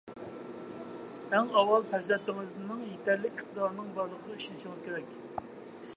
ئەڭ ئاۋۋال پەرزەنتىڭىزنىڭ يېتەرلىك ئىقتىدارىنىڭ بارلىقىغا ئىشىنىشىڭىز كېرەك.